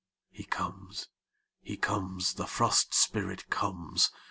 He comes, he comes, the Frost Spirit comes!